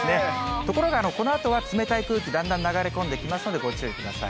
ところがこのあとは冷たい空気、だんだん流れ込んできますので、ご注意ください。